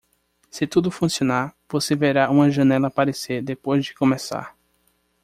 Se tudo funcionar, você verá uma janela aparecer depois de começar.